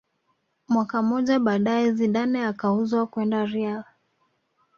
Mwaka mmoja baadaye Zidane akauzwa kwenda real